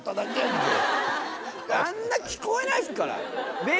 あんな聞こえないですから。